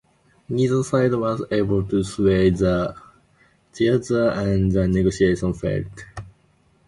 Neither side was able to sway the other and the negotiations failed.